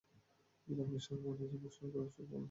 বিলাপের সময় মানুষ যেমন সুর করে শোক পালন করে, জলির কাজও অনুরূপ।